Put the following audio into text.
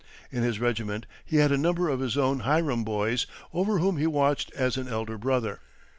In his regiment he had a number of his own Hiram boys, over whom he watched as an elder brother.